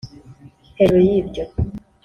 Hejuru y’ibyo